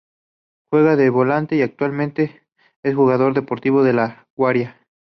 Juega de volante y actualmente es jugador del Deportivo La Guaira.